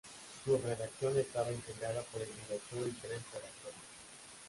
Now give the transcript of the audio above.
Su redacción estaba integrada por el director y tres redactores.